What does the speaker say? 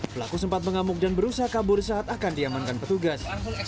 pelaku sempat mengamuk dan berusaha kabur saat akan diamankan petugas